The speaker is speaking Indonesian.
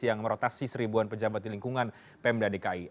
yang merotasi seribuan pejabat di lingkungan pm dan dki